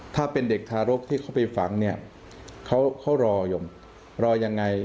ถ้าเป็นเด็กทารกที่เขาไปฝังเขารออย่างไร